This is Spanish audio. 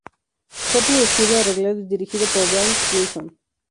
Fue producido, arreglado y dirigido por Brian Wilson.